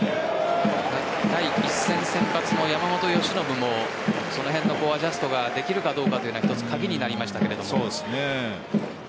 第１戦先発の山本由伸もその辺のアジャストができるかどうかというのは一つ鍵になりましたけれども。